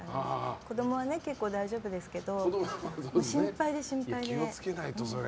子供は結構大丈夫ですけど心配で心配で。